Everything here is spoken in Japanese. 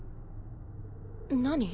何？